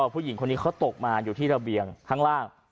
ผู้หญิงคนนี้เขาตกมาอยู่ที่ระเบียงข้างล่าง